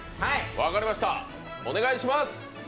分かりました、お願いします！